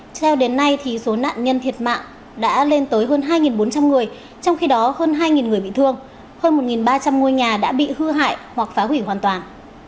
theo đến nay số nạn nhân thiệt mạng đã lên tới hơn hai bốn trăm linh người trong khi đó hơn hai người bị thương hơn một ba trăm linh ngôi nhà đã bị hư hại hoặc phá hủy hoàn toàn